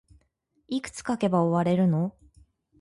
いくつ書けば終われるの